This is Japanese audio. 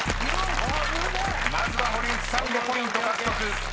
［まずは堀内さん５ポイント獲得］